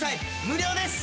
無料です。